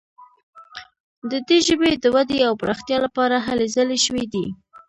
د دې ژبې د ودې او پراختیا لپاره هلې ځلې شوي دي.